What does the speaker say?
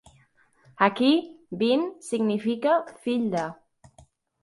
Aquí, "bin" significa "fill de".